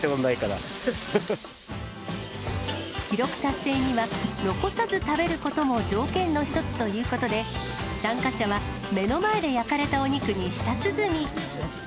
記録達成には、残さず食べることも条件の一つということで、参加者は目の前で焼かれたお肉に舌鼓。